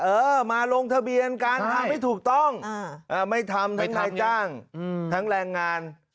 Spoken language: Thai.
เออมาลงทะเบียนกันทำให้ถูกต้องไม่ทำทั้งนายจ้างทั้งแรงงาน